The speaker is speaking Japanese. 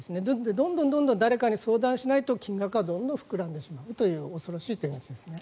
どんどん誰かに相談しないと金額がどんどん膨らんでしまうという恐ろしい手口です。